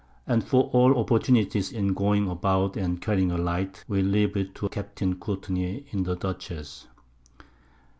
And for all Opportunities in going about and carrying a Light, we leave it to Captain Courtney in the Dutchess.